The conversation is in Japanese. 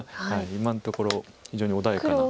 今のところ非常に穏やかな。